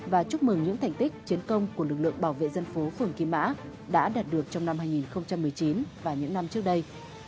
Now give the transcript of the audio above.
và chúc mừng những thành tích chiến công của lực lượng bảo vệ dân phố phường kim mã đã đạt được trong năm hai nghìn một mươi chín và những năm trước đây